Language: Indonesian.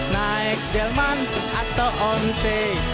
naik delman atau onte